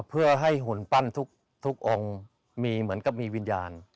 เพื่อให้หุ่นปั้นทุกองค์มีเหมือนกับมีวิญญาณ